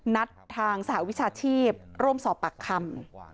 นัดทางสหวิชาชีพร่วมสอบปากคำ